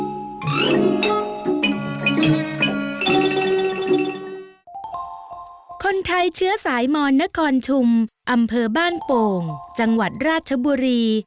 มีความรู้สึกว่าคนไทยเชื้อสายมอนนครชุมอำเภอบ้านโป่งจังหวัดราชบุรี